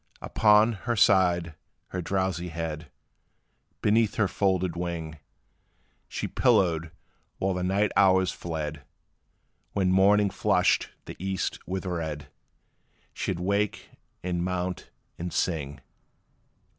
Upon her side her drowsy head, Beneath her folded wing, She pillowed, while the night hours fled; When morning flushed the east with red, She 'd wake, and mount, and sing.